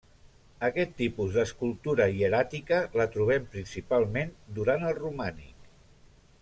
Aquest tipus d'escultura hieràtica, la trobem principalment durant el romànic.